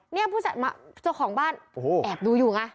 เนี่ยผู้ชายมาเจ้าของบ้านแอบดูอยู่ไง